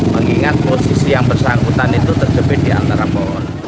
mengingat posisi yang bersangkutan itu terjepit di antara pohon